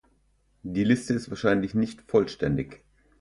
Die Liste ist wahrscheinlich nicht vollständig.